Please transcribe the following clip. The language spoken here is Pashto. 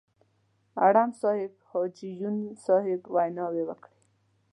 اړم صاحب، حاجي یون صاحب ویناوې وکړې.